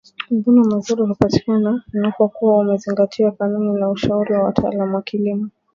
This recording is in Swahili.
mavuono mazurihpatikana unapokua umezingatia kanuni na ushauri wa wataalam wa kilimo